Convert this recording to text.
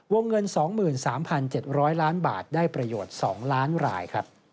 วงเงิน๒๓๗๐๐ล้านบาทได้ประโยชน์๒ล้านรายครับ